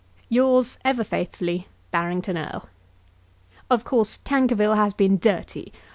Yours, ever faithfully, BARRINGTON ERLE. Of course Tankerville has been dirty.